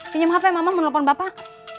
pinjam hape mama mau nelfon bapak